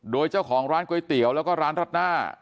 โดยเจ้าของร้านก๋วยเตี๋ยวแล้วก็ร้านรัดหน้า